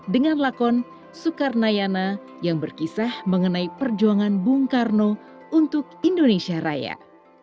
dengan lakon soekarno yang berkisah mengenai perjuangan bung karno untuk indonesia raya